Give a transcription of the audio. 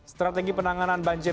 strategi penanganan banjir